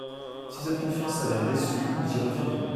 Si cette confiance s’avère déçue, nous y reviendrons.